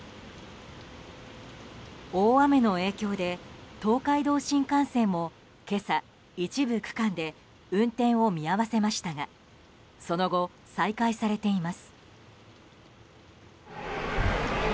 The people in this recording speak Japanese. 大雨の影響で東海道新幹線も今朝、一部区間で運転を見合わせましたがその後、再開されています。